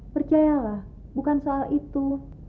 percayalah bukan soal itu